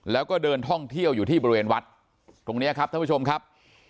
แล้วก็เดินท่องเที่ยวอยู่ที่บริเวณวัดตรงนี้ครับท่านผู้ชมครับ